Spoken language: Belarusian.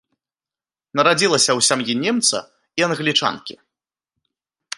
Нарадзілася ў сям'і немца і англічанкі.